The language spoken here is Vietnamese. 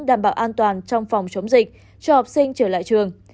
đảm bảo an toàn trong phòng chống dịch cho học sinh trở lại trường